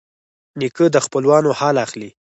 نیکه د خپلوانو حال اخلي.